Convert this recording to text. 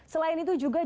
selain itu juga jpu